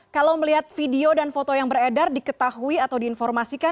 kalau melihat video dan foto yang beredar diketahui atau diinformasikan